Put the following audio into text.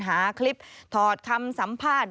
หาคลิปถอดคำสัมภาษณ์